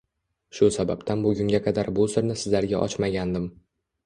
Shu sababdan bugunga qadar bu sirni sizlarga ochmagandim.